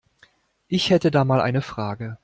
Ich hätte da mal eine Frage.